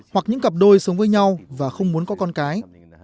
hoặc những cặp đôi sống với nhau và không muốn có con cái